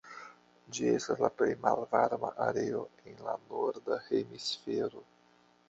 Ĝi estas la plej malvarma areo en la norda hemisfero.